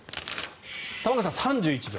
玉川さん、３１秒。